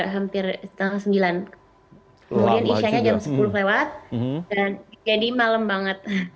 kemudian isianya jam sepuluh lewat jadi malam banget